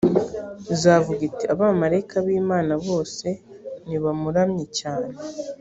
izavuga iti abamarayika b imana bose nibamuramye cyane